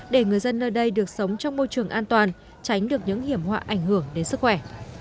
để người dân nơi đây được sống trong môi trường an toàn tránh được những hiểm họa ảnh hưởng đến sức khỏe